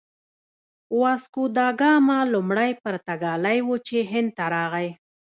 واسکوداګاما لومړی پرتګالی و چې هند ته راغی.